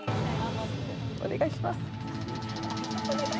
お願いします。